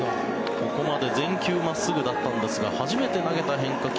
ここまで全球真っすぐだったんですが初めて投げた変化球。